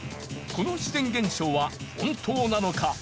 この自然現象は本当なのか？